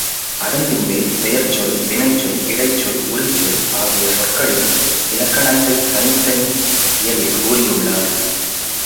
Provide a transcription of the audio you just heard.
அதன் பின்பே, பெயர்ச்சொல், வினைச்சொல், இடைச்சொல், உரிச்சொல் ஆகிய சொற்களின் இலக்கணத்தைத் தனித்தனி இயலில் கூறியுள்ளார்.